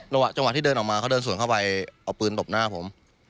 จังหวะที่เดินออกมาเขาเดินสวนเข้าไปเอาปืนตบหน้าผม